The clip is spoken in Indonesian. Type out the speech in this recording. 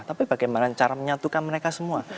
tapi bagaimana cara menyatukan mereka semua